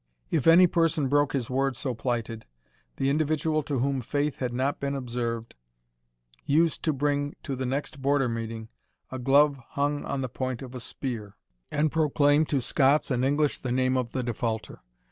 If any person broke his word so plighted, the individual to whom faith had not been observed, used to bring to the next Border meeting a glove hung on the point of a spear, and proclaim to Scots and English the name of the defaulter.